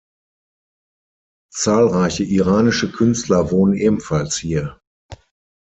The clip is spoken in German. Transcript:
Zahlreiche iranische Künstler wohnen ebenfalls hier.